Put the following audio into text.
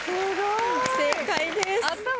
正解です。